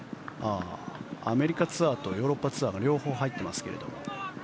アメリカツアーとヨーロッパツアーが両方入ってますけども。